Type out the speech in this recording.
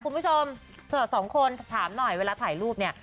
คุณผู้ชมสองคนถามหน่อยเวลาถ่ายรูปเนี่ย